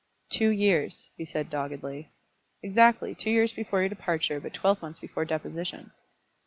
"Two years," he said, doggedly. "Exactly; two years before your departure, but twelve months before deposition."